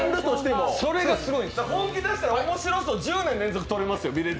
本気だしたら、面白さは１０年連続とれますよ。